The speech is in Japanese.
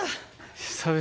久々。